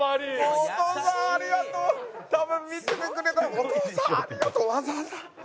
お父さんありがとう！わざわざ。